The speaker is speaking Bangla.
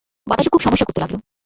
বাতাসও খুব সমস্যা করতে লাগল।